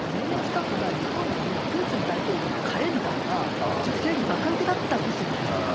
１０年近く前に、日本でも、プーチン大統領のカレンダーが女性にばか受けだったんですよね。